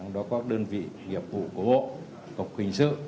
đó có đơn vị nghiệp vụ cổ hộ cục hình sự